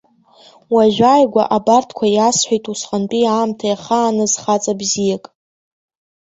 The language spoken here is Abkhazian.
Уажәааигәа абарҭқәа иасҳәеит усҟантәи аамҭа иахааныз хаҵа бзиак.